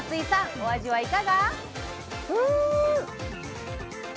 お味はいかが？